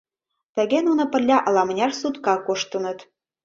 Тыге нуно пырля ала-мыняр сутка коштыныт.